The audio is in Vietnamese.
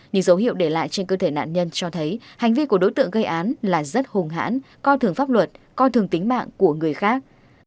những dấu hiệu để lại trên cơ thể nạn nhân cho thấy hành vi của đối tượng gây án là rất hùng hãn coi thường pháp luật coi thường tính mạng của người khác